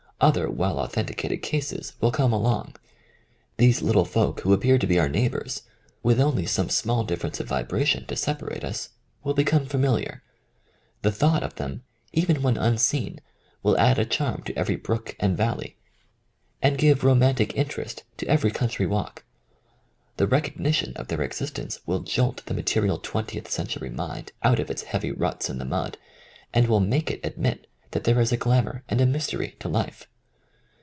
Other well authenticated cases will come along. These little folk who appear to be our neighbours, with only some small difference of vibration to separate us, will become familiar. The thought of them, even when unseen, will add a charm to every brook and valley and give romantic interest 57 THE COMING OF THE FAIRIES to every country walk. The recognition of their existence will jolt the material twen tieth century mind out of its heavy ruts in the mud, and will make it admit that there is a glamour and a mystery to life.